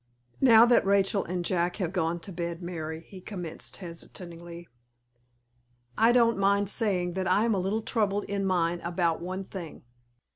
"Now that Rachel and Jack have gone to bed, Mary," he commenced, hesitatingly, "I don't mind saying that I am a little troubled in mind about one thing."